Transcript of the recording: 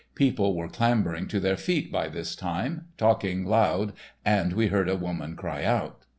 People were clambering to their feet by this time, talking loud, and we heard a woman cry out.